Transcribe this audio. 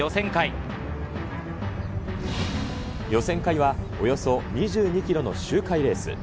予選会は、およそ２２キロの周回レース。